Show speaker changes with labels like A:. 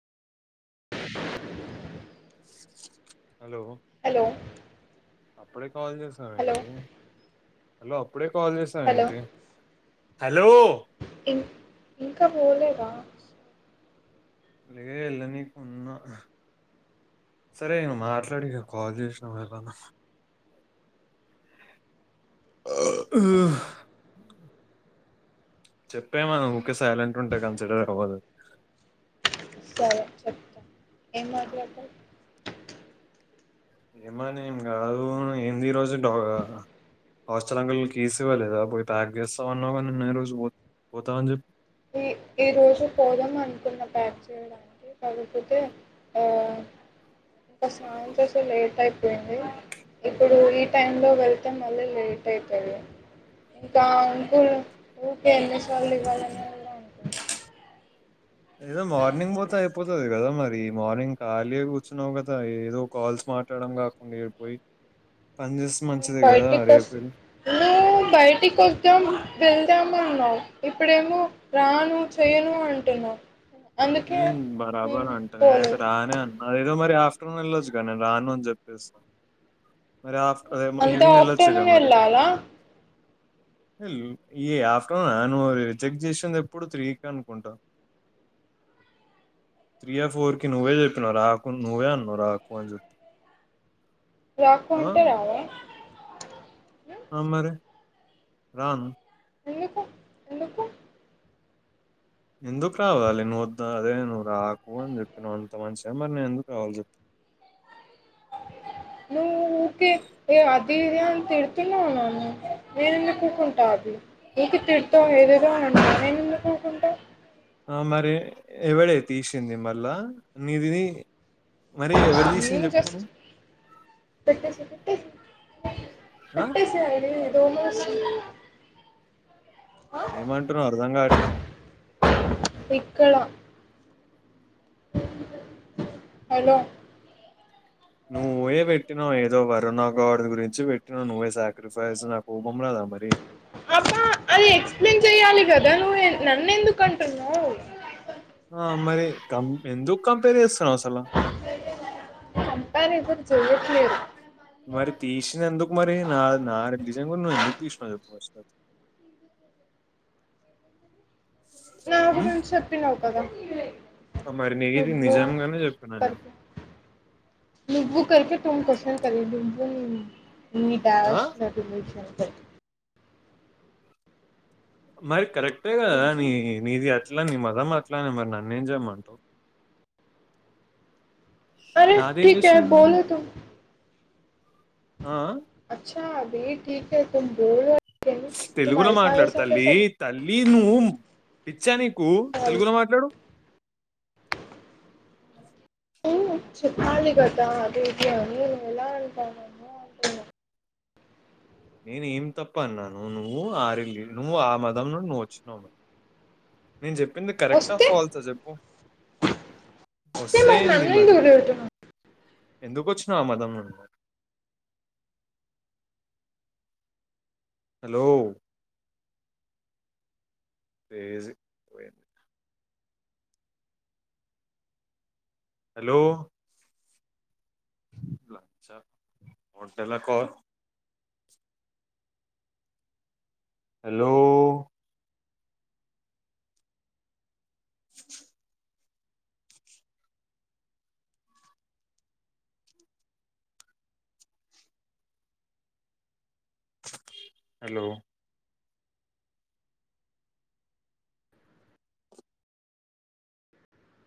A: Hello
B: hello
A: అప్పుడ call చేసామ
B: hello
A: ఏంటి హలో ఇప్పుడే కాల్ చేసామ ఏంటి హలో
B: ఇ ఇంకా పోలే పాస్
A: లే ఎళ్ళనికే ఉన్నా సరే నే మాట్లాడిన కాల్ చేసినా ఏదన్నా ఆ ఆ చెప్పేమన్న ఊకే సైలెంట్ ఉంటే కన్సిడర్ అవ్వదు
B: సరే చెప్త ఏం మాట్లడుతవ్
A: ఏమని ఏం కాదు, ఏంది ఈ రోజు హాస్టల్ అంకుల్ కీస్ ఇవ్వలేదా పోయి ప్యాక్ చేస్తా అన్నావ్ కదా, నిన్న ఈ రోజు పోయి పోతా అని చెప్పి
B: ఈ ఈ రోజు పోదాం అనుకున్న ప్యాక్ చేయడానికి, కాకపోతే ఆ ఇంక స్నానం చేస్తే లేట్ అయిపోయింది. ఇప్పుడు ఈ టైమ్ లో వెళ్తే మళ్ళీ లేట్ అయితది. ఇంకా అంక ఊకే ఎన్నిసార్లు ఇవ్వాలని కూడా అంటుండు
A: ఏదో మార్నింగ్ పోతే అయిపోతది కదా మరీ, మార్నింగ్ ఖాళీ కూర్చున్నావు కదా. ఏదో కాల్స్ మాట్లాడడం కాకుండ పోయి పని చే
B: బయటికోస్ బయటి స్తం వెళ్దాం అన్నావు, ఇప్పుడేమో రాను చేయను అంటున్నావు. అందుకే
A: నేను
B: నేను
A: బరాబర్ అంట నే ఐతే
B: పోలేదు
A: రానే అన్నా ఎందుకు మరీ ఆ ఫ్టర్నూన్ వెళ్ళొచ్చు గా రాను అని చెప్పేస్త మరి ఆఫ్
B: అంత
A: ఈవినింగ్ ఎళ్ళొచ్చు గా
B: ఆఫ్టర్నూన్
A: మరి
B: వెళ్ళాలా
A: వెళ్ళు ఈ ఆఫ్టర్నూనా నువ్వు రిజెక్ట్ చేసింది ఎప్పుడు త్రీకీ అనుకుంటా త్రీయా, ఫోర్ కి నువ్వే చెప్పినవ్ రాకు నువ్వే అన్నావు రాకు అని చెప్పి.
B: రాకుంటే రావ
A: ఆ మరీ రాను
B: ఎందుకు ఎందుకు
A: ఎందుకు రావాలి నువ్వు వద్ అదే నువ్వు రాకు అని చెప్పినవు అంత మంచిగా, మరి నేను ఎందుకు రావాలి చెప్పు
B: నువ్వు ఊకే ఏ అది ఇది అని తిడుతూనే ఉన్నావు, నేను ఎందుకు ఊకుంటా అది. ఊకే తిడుతవ్ ఏదేదో అంటావ్ నేను ఎందుకు ఊకుంటా.
A: మరి ఎవడే తీసింది మళ్ళా నీది తియి
B: నేను జస్ట్ పెట్టేసాక ఇఫ
A: ఆ!
B: పెట్టేశాడే దొంగ ఆ?
A: ఏమంటున్నవు అర్ధం కావట్లే
B: ఇక్కడ హలో
A: నువ్వే పెట్టినావు ఏదో వరుణ గాడిది గురించి పెట్టినావు నువ్వే సాక్రిఫైస్ నా కోపం రాదా మరి
B: అబ్బా అది ఎక్స్ప్లెయిన్ చెయ్యాలి కదా నువ్వు, నన్ను ఎందుకు అంటున్నావు.
A: ఆ మరి కం ఎందుకు కంపేర్ చేస్
B: కంపారిజన్ చేయ ట్లేదు
A: మరి తీసింది ఎందుకు మరి నా నా రిలీజన్ గురించి నువ్వు ఎందుకు తీసినవ్ చెప్పు ఫస్ట్
B: నా
A: ఉమ్?
B: గురించి చెప్పినావు కదా
A: ఆ, మరి నీది
B: నువ్వు
A: నిజంగానే చెప్పినా నేను
B: కర్పు నువ్వు [unintelligible] నీ
A: ఆ?
B: డ్యాష్ [unintelligible] క్
A: మరి కరెక్ట్ బేగా న నీది అట్ల నీ మదమ్ం అట్లనే మరి నన్నేం చేయమంటూ
B: అరే
A: నాదేం
B: ఠకే
A: చేసాను నేను?
B: బోలు తూ
A: ఆ
B: అభ క తమ్ బో
A: తెలుగులో మాట్లాడతల్లి తల్లి లీ ను పిచ్చాని కు తెలుగులో మాట్లాడు
B: ఖళ కట్టా అది ఇది అనిలా అ
A: నేను ఏం తప్ప అన్నాను నువ్వు ఆ రల్లి నువ్వు ఆ మదం నుండి నువ్వు వచ్చినావు మ నేను చెప్పింది కరెక్టా
B: వస్తే
A: ఫాల్సా చెప్పు
B: వస్తే మరి
A: వస్తేంది
B: నన్ను
A: మరి
B: ఎందుకు తిడుతున్నావ్
A: ఎందుకుచ్చన్నా అమా తమ హలో తజ పోంది హలో చ హోటెలాకు హలో హలో